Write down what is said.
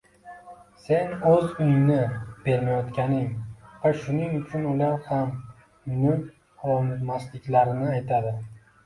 Sen oʻz uyingni bermayotganing va shuning uchun ular ham uyni ololmasliklarini aytadi.